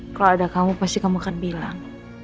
kalau ada kamu pasti kamu akan bilang